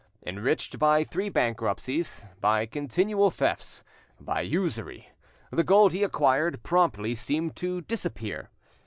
Enriched by three bankruptcies, by continual thefts, by usury, the gold he acquired promptly seemed to disappear.